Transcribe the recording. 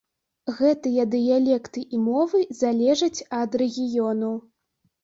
Гэтыя дыялекты і мовы залежаць ад рэгіёну.